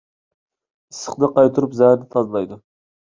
ئىسسىقنى قايتۇرۇپ زەھەرنى تازىلايدۇ.